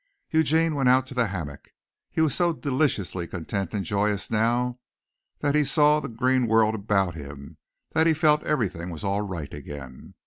Eugene went out to the hammock. He was so deliciously contented and joyous now that he saw the green world about him, that he felt that everything was all right again.